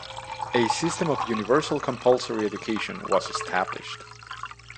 A system of universal compulsory education was established.